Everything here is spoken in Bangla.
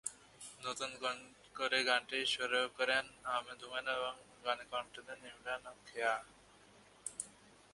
নতুন করে গানটির সুরারোপ করেন আহমেদ হুমায়ুন এবং গানে কণ্ঠ দেন ইমরান ও খেয়া।